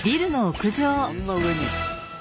あんな上に？